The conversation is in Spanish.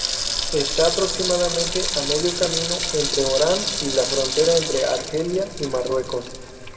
Está aproximadamente a medio camino entre Orán y la frontera entre Argelia y Marruecos.